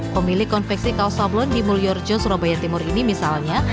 pemilik konveksi kaos sablon di mulyorjo surabaya timur ini misalnya